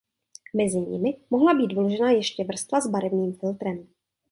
Mezi nimi mohla být vložena ještě vrstva s barevným filtrem.